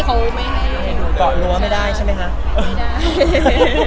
รู้ไม่ได้ใช่ไหม